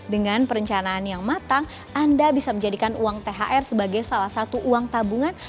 dengan perencanaan yang matang anda bisa menjadikan uang thr sebagai salah satu uang tabungan